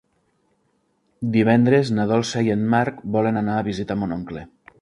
Divendres na Dolça i en Marc volen anar a visitar mon oncle.